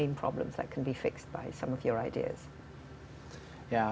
yang bisa diberi penyelesaian dari ide kamu